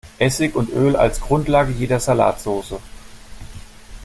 Essig und Öl als Grundlage jeder Salatsoße.